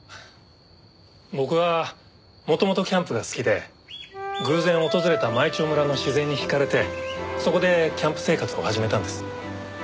僕は元々キャンプが好きで偶然訪れた舞澄村の自然に引かれてそこでキャンプ生活を始めたんです。